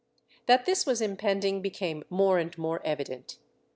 That this was impending became more and more evident.